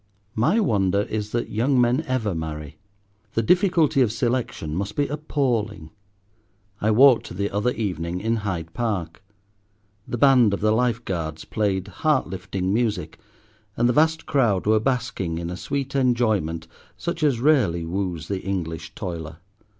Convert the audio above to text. My wonder is that young men ever marry. The difficulty of selection must be appalling. I walked the other evening in Hyde Park. The band of the Life Guards played heart lifting music, and the vast crowd were basking in a sweet enjoyment such as rarely woos the English toiler.